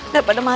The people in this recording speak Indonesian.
gak pada mati